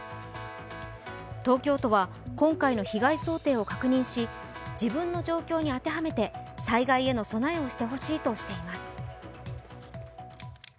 東京都は今回の被害想定を確認し自分の状況に当てはめて災害への備えをしてほしいとしています。